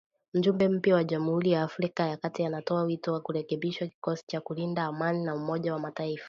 Mjumbe mpya wa Jamuhuri ya Afrika ya Kati anatoa wito wa kurekebishwa kikosi cha kulinda amani cha Umoja wa Mataifa